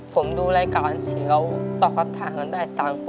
ผมดูรายการสิเขาตอบคำถามกันได้ตังค์